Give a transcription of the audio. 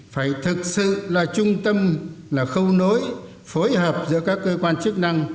phải thực sự là trung tâm là khâu nối phối hợp giữa các cơ quan chức năng